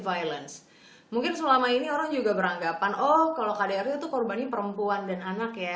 violence mungkin selama ini orang juga beranggapan oh kalau kdrt itu korbannya perempuan dan anak ya